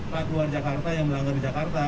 pak luar jakarta yang melanggar di jakarta